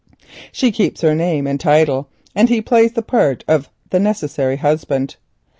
She keeps her name and title and he plays the part of the necessary husband.